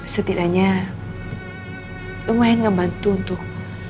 setidaknya lumayan ngebantu untuk